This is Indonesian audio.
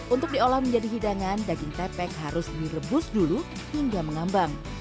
untuk diolah menjadi hidangan daging tepek harus direbus dulu hingga mengambang